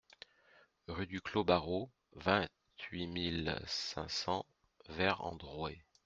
Rue du Clos Barreau, vingt-huit mille cinq cents Vert-en-Drouais